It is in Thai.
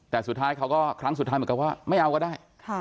แต่สุดท้ายเขาก็ครั้งสุดท้ายเหมือนกับว่าไม่เอาก็ได้